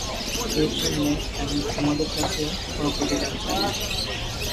এর জন্যে আমি তোমাদের কাছে কোন প্রতিদান চাই না।